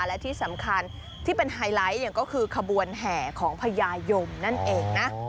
และที่สำคัญที่เป็นไฮไลท์อย่างก็คือขบวนแห่ของพญายมนั่นเองนะ